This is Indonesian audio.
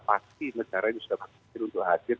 pasti negara ini sudah berhasil untuk hadir